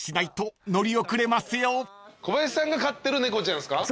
小林さんが飼ってる猫ちゃんですか？